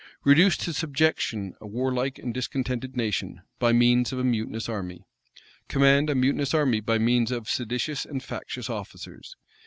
Reduce to subjection a warlike and discontented nation, by means of a mutinous army? Command a mutinous army by means of seditious and factious officers?